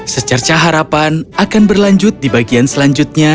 secerca harapan akan berlanjut di bagian selanjutnya